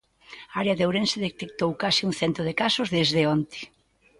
A área de Ourense detectou case un cento de casos desde onte.